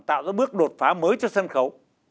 tạo ra bước đột phá mới cho sân khấu